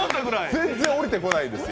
全然下りてこないんですよ。